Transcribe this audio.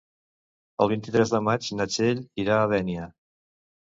El vint-i-tres de maig na Txell irà a Dénia.